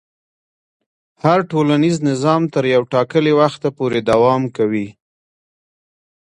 هر ټولنیز نظام تر یو ټاکلي وخته پورې دوام کوي.